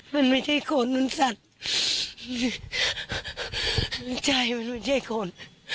มันไม่ใช่คนมันสัตว์มันใช่มันไม่ใช่คน